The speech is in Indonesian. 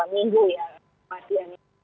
dua minggu ya kematiannya